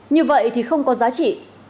như vậy thì không có giá trị